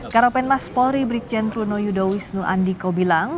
karopen mas polri brikjentruno yudowisnu andiko bilang